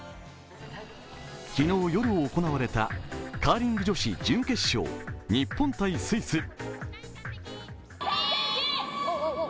昨日能夜行われたカーリング女子準決勝、日本×スイス。